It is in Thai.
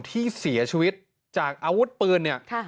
ที่เสียชีวิตจากอาวุธปืนเนี่ย